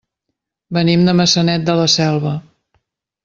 Venim de Maçanet de la Selva.